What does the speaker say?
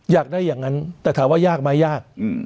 อยากได้อย่างนั้นแต่ถามว่ายากไหมยาก